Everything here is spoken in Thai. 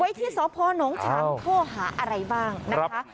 ไว้ที่สอพหนองฉางพ่อหาอะไรบ้างนะคะ